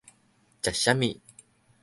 食啥物